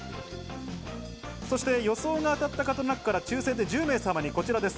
予想が当たった方の中から抽選で１０名様にこちらです。